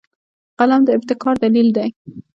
قلم د ابتکار دلیل دی